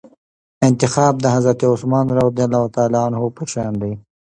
انتخاب د حضرت عثمان رضي الله عنه په شان دئ.